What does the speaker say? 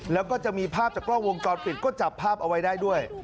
แล้วก็จะมีภาพจากกล้องวงจรปิดก็จับภาพเอาไว้ได้ด้วย